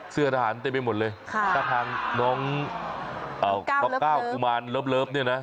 เสื้อทหารเต็มไปหมดเลยถ้าทางน้องมาก้าวกุมารเลิฟเนี่ยนะ